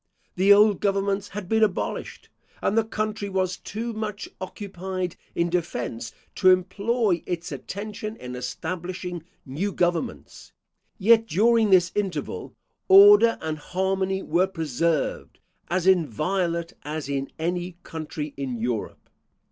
The old governments had been abolished, and the country was too much occupied in defence to employ its attention in establishing new governments; yet during this interval order and harmony were preserved as inviolate as in any country in Europe.